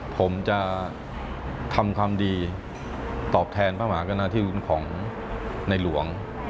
ผมจะทำความดีตอบแทนพระมหากนาธิคุณของในหลวง